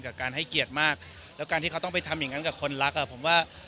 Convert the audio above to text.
กับการให้เกียรติมากแล้วการที่เขาต้องไปทำอย่างนั้นกับคนรักอ่ะผมว่า